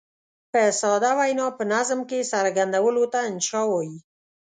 په ساده وینا په نظم کې څرګندولو ته انشأ وايي.